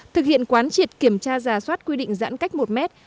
thực hiện quán triệt kiểm tra giả soát quy định giãn cách một mét